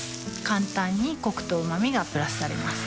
簡単にコクとうま味がプラスされます